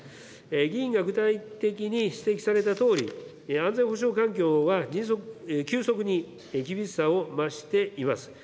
議員が具体的に指摘されたとおり、安全保障環境は急速に厳しさを増しています。